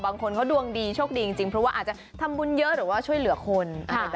บางคนเขาดวงดีโชคดีจริงเพราะว่าอาจจะทำบุญเยอะหรือว่าช่วยเหลือคน